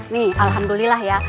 nih alhamdulillah ya